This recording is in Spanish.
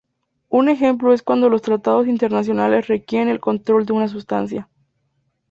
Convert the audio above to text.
Un ejemplo es cuando los tratados internacionales requieren el control de una sustancia.